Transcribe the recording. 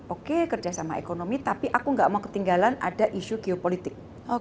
oke kerjasama ekonomi tapi aku gak mau ketinggalan ada isu geopolitik